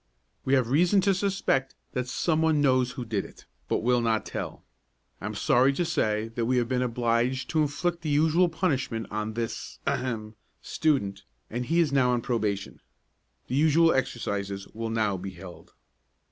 "We have reason to suspect that some one knows who did it, but will not tell. I am sorry to say that we have been obliged to inflict the usual punishment on this ahem student and he is now on probation. The usual exercises will now be held."